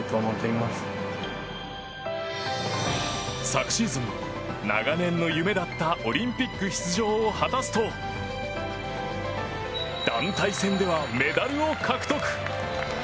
昨シーズン、長年の夢だったオリンピック出場を果たすと団体戦ではメダルを獲得。